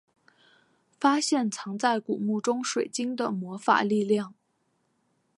发现藏在古墓中水晶的魔法力量。